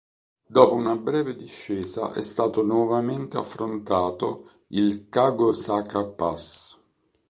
Dopo una breve discesa è stato nuovamente affrontato il "Kagosaka Pass".